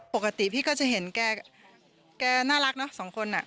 ปกติพี่ก็จะเห็นแกน่ารักเนอะสองคนอ่ะ